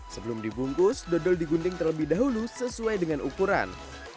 sebelum dibungkus dodol digunting terlebih dahulu sesuai dengan ukuran